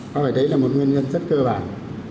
có phải đấy là một nguyên nhân rất cơ bản